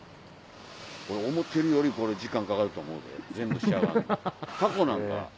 思ってるより時間かかると思うで全部仕上がるの。